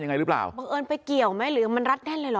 ยังไงหรือเปล่าบังเอิญไปเกี่ยวไหมหรือมันรัดแน่นเลยเหรอ